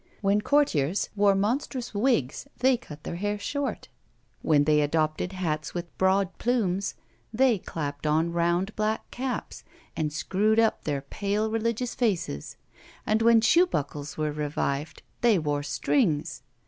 When courtiers wore monstrous wigs, they cut their hair short; when they adopted hats with broad plumes, they clapped on round black caps, and screwed up their pale religious faces; and when shoe buckles were revived, they wore strings.